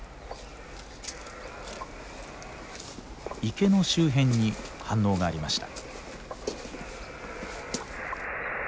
池の周辺に反応がありました。